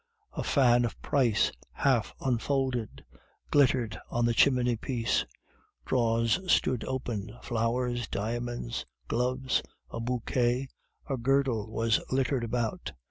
A fan of price, half unfolded, glittered on the chimney piece. Drawers stood open; flowers, diamonds, gloves, a bouquet, a girdle, were littered about.